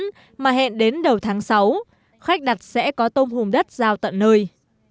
trang bán mà hẹn đến đầu tháng sáu khách đặt sẽ có tôm hùm đất giao tận nơi